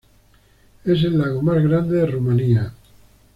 Es el lago más grande de Rumanía.